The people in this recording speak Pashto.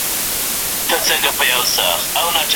زه د عمر مسافر سوم ماته مه وینه خوبونه